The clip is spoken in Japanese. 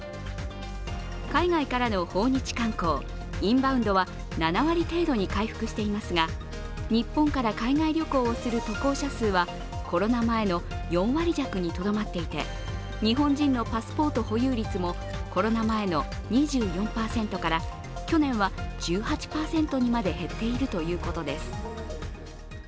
海外からの訪日観光＝インバウンドは７割程度に回復していますが日本から海外旅行をする渡航者数はコロナ前の４割弱にとどまっていて日本人のパスポート保有率もコロナ前の２４％から去年は１８％にまで減っているということです。